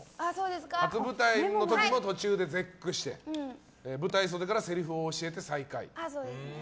初舞台の時も途中で絶句して舞台袖からせりふを教えて再開。